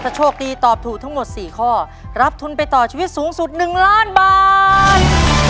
โชคดีตอบถูกทั้งหมด๔ข้อรับทุนไปต่อชีวิตสูงสุด๑ล้านบาท